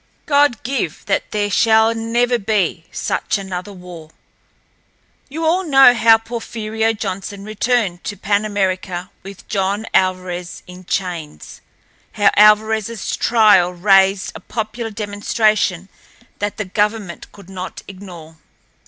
God give that there shall never be such another war!" You all know how Porfirio Johnson returned to Pan America with John Alvarez in chains; how Alvarezl's trial raised a popular demonstration that the government could not ignore.